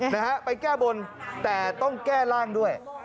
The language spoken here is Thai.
นะฮะไปแก้บนแต่ต้องแก้ร่างด้วย